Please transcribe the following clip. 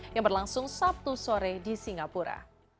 yang berlangsung sabtu sore di singapura